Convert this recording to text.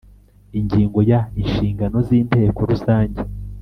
Ingingo ya inshingano z inteko rusange